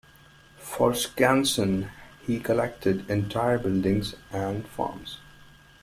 For Skansen, he collected entire buildings and farms.